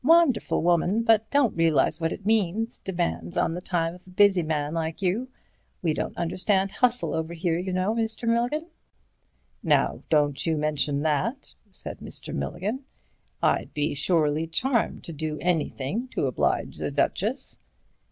Wonderful woman, but don't realize what it means, demands on the time of a busy man like you. We don't understand hustle over here, you know, Mr. Milligan." "Now don't you mention that," said Mr. Milligan; "I'd be surely charmed to do anything to oblige the Duchess."